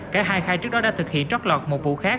cả hai khai trước đó đã thực hiện trót lọt một vụ khác